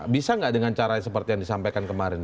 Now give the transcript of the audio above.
bisa nggak dengan cara seperti yang disampaikan kemarin